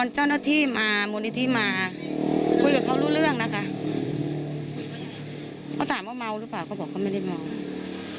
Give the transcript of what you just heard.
เขาถามว่าเมาหรือเปล่าเขาบอกว่าเขาไม่ได้เมา